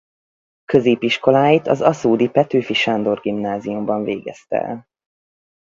Középiskoláit az aszódi Petőfi Sándor Gimnáziumban végezte el.